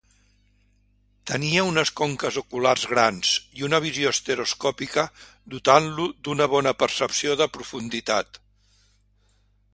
Tenia unes conques oculars grans i una visió estereoscòpica, dotant-lo d'una bona percepció de profunditat.